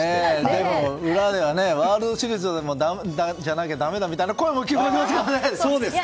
でも裏ではワールドシリーズじゃなきゃだめだという声も聞こえてきますけどね。